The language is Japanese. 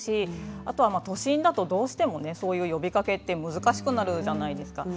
あとは、都心だとどうしてもそういう呼びかけって難しくなるんです。